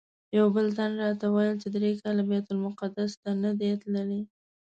یو بل تن راته ویل چې درې کاله بیت المقدس ته نه دی تللی.